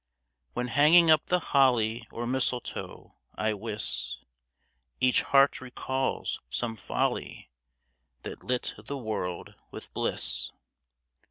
When hanging up the holly or mistletoe, I wis Each heart recalls some folly that lit the world with bliss.